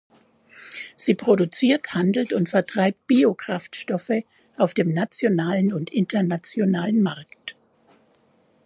Sie produziert, handelt und vertreibt Biokraftstoffe auf dem nationalen und internationalen Markt.